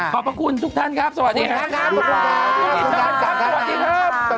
ขอบพระคุณทุกท่านครับสวัสดีครับ